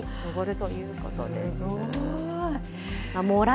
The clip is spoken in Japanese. すごい。